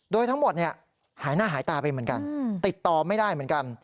โดยทั้งหมดหายหน้าหายตาไปเหมือนกันติดต่อไม่ได้เหมือนกัน